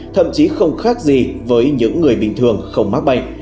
thậm chí không khác gì với những người bình thường không mắc bệnh